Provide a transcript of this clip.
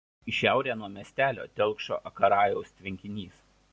Į šiaurę nuo miestelio telkšo Akarajaus tvenkinys.